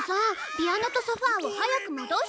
ピアノとソファを早く戻して。